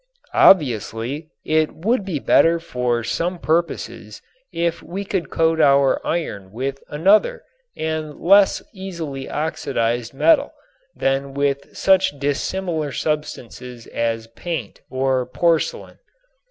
Obviously it would be better for some purposes if we could coat our iron with another and less easily oxidized metal than with such dissimilar substances as paint or porcelain.